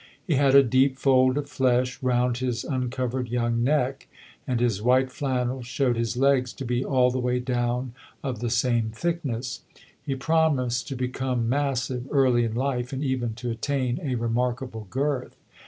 He had a deep fold of flesh round his uncovered young neck, and his white flannels showed his legs to be all the way down of the same thickness. He promised to become massive early in life and even to attain a remarkable girth.